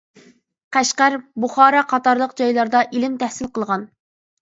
قەشقەر، بۇخارا قاتارلىق جايلاردا ئىلىم تەھسىل قىلغان.